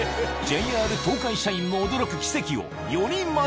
ＪＲ東海社員も驚くうわ。